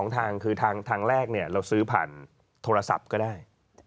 ทางคือทางแรกเราซื้อผ่านโทรศัพท์ก็ได้